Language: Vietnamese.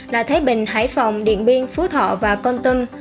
là thái bình hải phòng điện biên phú thọ và con tâm